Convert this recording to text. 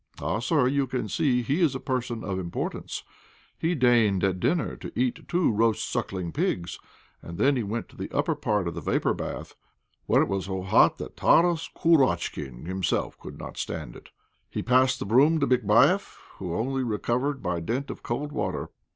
Ah, sir! you can see he is a person of importance he deigned at dinner to eat two roast sucking pigs; and then he went into the upper part of the vapour bath, where it was so hot that Tarass Kurotchkin himself could not stand it; he passed the broom to Bikbaieff, and only recovered by dint of cold water.